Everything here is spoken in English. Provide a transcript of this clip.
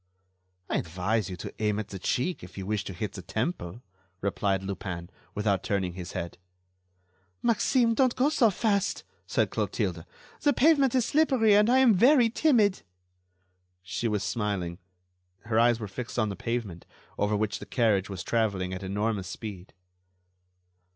"I advise you to aim at the cheek if you wish to hit the temple," replied Lupin, without turning his head. "Maxime, don't go so fast," said Clotilde, "the pavement is slippery and I am very timid." She was smiling; her eyes were fixed on the pavement, over which the carriage was traveling at enormous speed.